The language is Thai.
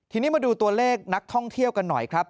ทีนี้มาดูตัวเลขนักท่องเที่ยวกันหน่อยครับ